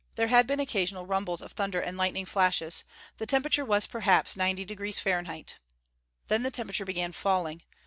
There had been occasional rumbles of thunder and lightning flashes. The temperature was perhaps 90° F. Then the temperature began falling.